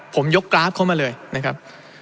ผมยกกราฟเข้ามาเลยนะครับ